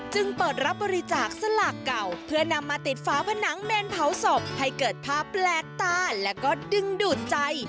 จึงเปิดรับบริจาคสลากเก่าเพื่อนำมาติดฝาผนังเมนเผาศพให้เกิดภาพแปลกตาแล้วก็ดึงดูดใจ